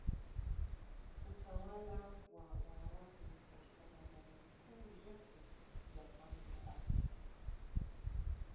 Utawala wa Waarabu katika bandari kuu zote za pwani ya Afrika